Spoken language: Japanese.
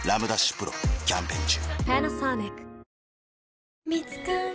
丕劭蓮キャンペーン中